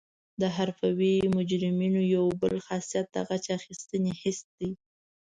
د حرفوي مجرمینو یو بل خاصیت د غچ اخیستنې حس دی